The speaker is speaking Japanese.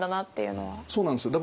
そうなんですよ。